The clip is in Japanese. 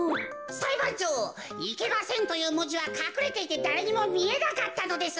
さいばんちょう「いけません」というもじはかくれていてだれにもみえなかったのです。